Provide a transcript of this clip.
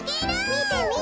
みてみて。